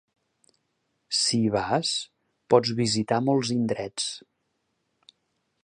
Si hi vas, pots visitar molts indrets.